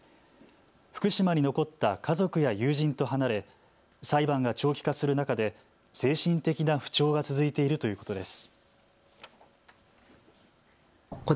福島に残った家族や友人と離れ裁判が長期化する中で精神的な不調が続いているということです。